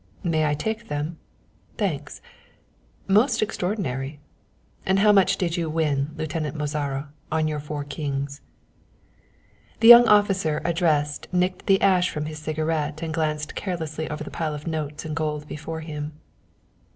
"May I take them? thanks. Most extraordinary. And how much did you win, Lieutenant Mozara, on your four kings?" The young officer addressed nicked the ash from his cigarette and glanced carelessly over the pile of notes and gold before him.